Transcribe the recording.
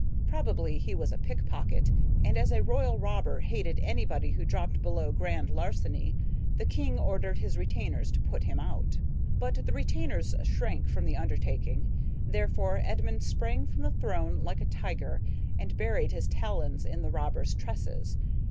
Probably he was a pickpocket; and as a royal robber hated anybody who dropped below grand larceny, the king ordered his retainers to put him out. But the retainers shrank from the undertaking, therefore Edmund sprang from the throne like a tiger and buried his talons in the robber's tresses.